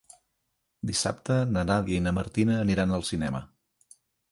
Dissabte na Nàdia i na Martina aniran al cinema.